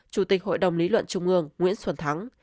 chủ tịch hội đồng lý luận trung ương nguyễn xuân thắng